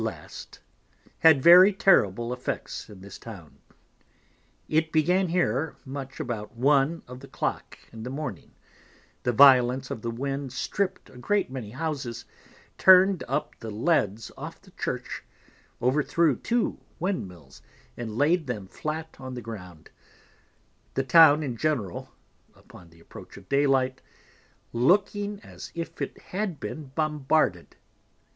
last, had very terrible Effects in this Town. It began here much about One of the Clock in the Morning, the violence of the Wind stript a great many Houses, turn'd up the Leads off the Church, over threw two Windmills, and laid them flat on the ground, the Town in general (upon the approach of Day light) looking as if it had been Bombarded.